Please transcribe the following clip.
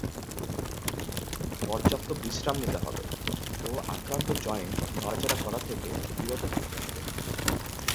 পর্যাপ্ত বিশ্রাম নিতে হবে ও আক্রান্ত জয়েন্ট নড়াচড়া করা থেকে বিরত থাকতে হবে।